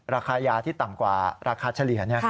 ราคายาที่ต่ำกว่าราคาเฉลี่ย